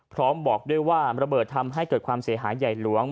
บอกด้วยว่าระเบิดทำให้เกิดความเสียหายใหญ่หลวง